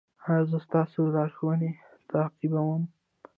ایا زه ستاسو لارښوونې تعقیبوم؟